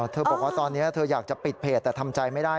บอกว่าตอนนี้เธออยากจะปิดเพจแต่ทำใจไม่ได้